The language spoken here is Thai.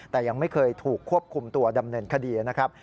แต่ยังไม่เคยถูกควบคุมตัวดำเนินคดีนะครับ